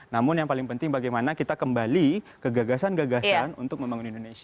namun yang paling penting bagaimana kita kembali ke gagasan gagasan untuk membangun indonesia